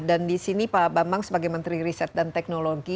dan di sini pak bambang sebagai menteri riset dan teknologi